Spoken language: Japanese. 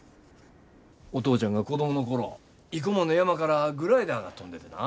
お父ちゃんが子供の頃生駒の山からグライダーが飛んでてな。